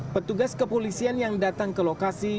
petugas kepolisian yang datang ke lokasi